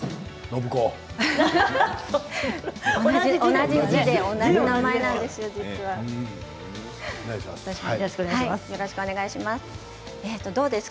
同じ字で同じ名前なんです。